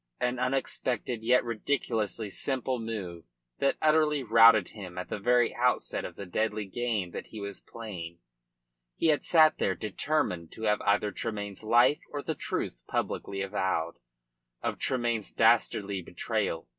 An unexpected yet ridiculously simple move had utterly routed him at the very outset of the deadly game that he was playing. He had sat there determined to have either Tremayne's life or the truth, publicly avowed, of Tremayne's dastardly betrayal.